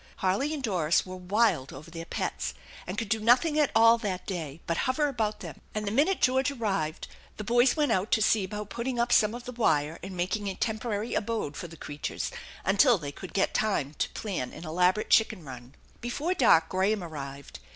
Harley and Doris were wild over their pets, and could do nothing all that day but hover about them, and the minute George arrived the boys went out to see about putting up some of the wire and making a temporary abode for the creatures until they could get time to plan an elaborate chicken run. Before dark Graham arrived.